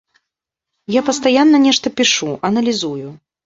Я пастаянна нешта пішу, аналізую.